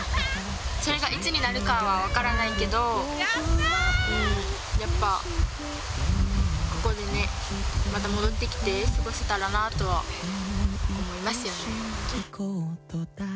それがいつになるかは分からないけど、やっぱ、ここにね、また戻ってきて過ごせたらなとは思いますよね。